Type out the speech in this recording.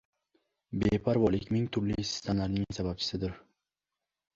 Beparvolik ming turli sitamlarning sababchisidir.